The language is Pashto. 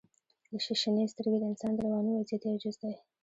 • شنې سترګې د انسان د رواني وضعیت یو جز دی.